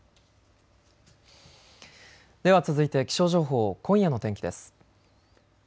では続いて気象情報、今夜の天気です。